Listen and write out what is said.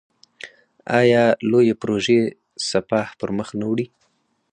آیا لویې پروژې سپاه پرمخ نه وړي؟